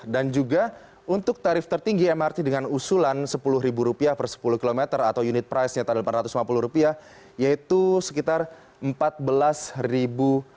dan juga untuk tarif tertinggi mrt dengan usulan rp sepuluh per sepuluh km atau unit price nya rp delapan ratus lima puluh yaitu sekitar rp empat belas